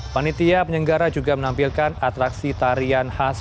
penitia penyenggara juga menampilkan atraksi tarian khas